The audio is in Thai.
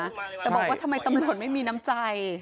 แต่บอกว่าทำไมตำรวจไม่มีน้ำใจ